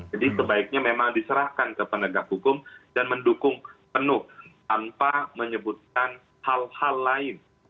jadi sebaiknya memang diserahkan ke penegak hukum dan mendukung penuh tanpa menyebutkan hal hal lain